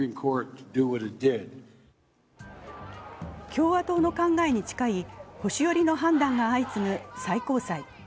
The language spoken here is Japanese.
共和党の考えに近い保守寄りの判断が相次ぐ最高裁。